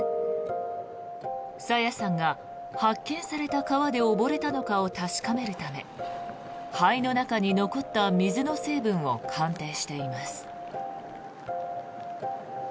朝芽さんが発見された川で溺れたのかを確かめるため肺の中に残った水の成分を鑑定しています。